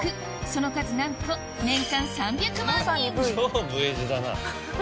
その数なんと年間３００万人超Ｖ字だな。